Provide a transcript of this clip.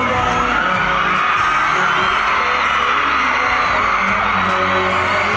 วันนั้นพอเธอไว้ไม่เคย